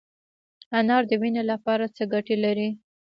انار د وینې لپاره څه ګټه لري؟